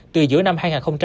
từ giữa năm hai nghìn hai mươi